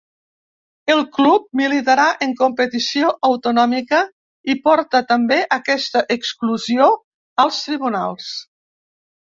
El club militarà en competició autonòmica i porta també aquesta exclusió als tribunals.